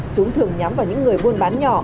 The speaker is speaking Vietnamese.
chúng thường nhắm vào những người buôn bán nhỏ